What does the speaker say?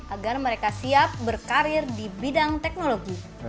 agar mereka siap berkarir di bidang teknologi